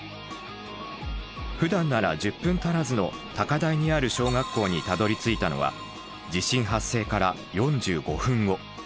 ふだんなら１０分足らずの高台にある小学校にたどりついたのは地震発生から４５分後。